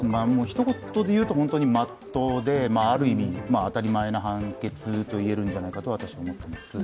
ひと言で言うと、本当に真っ当である意味、当たり前の判決と言えるんじゃないかと私は思っています。